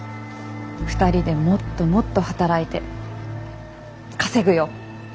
２人でもっともっと働いて稼ぐよ！